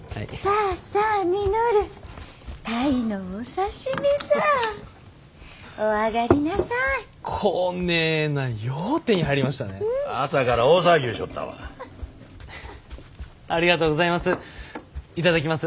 ありがとうございます。